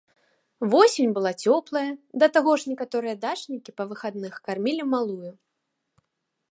Восень была цёплая, да таго ж некаторыя дачнікі па выхадных кармілі малую.